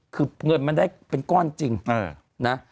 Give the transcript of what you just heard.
คือเงินมันได้เป็นก้อนจริงนะ